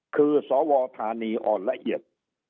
คือสวธานีอ่อนละเอียด